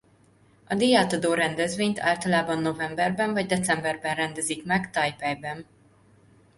A díjátadó rendezvényt általában novemberben vagy decemberben rendezik meg Tajpejben.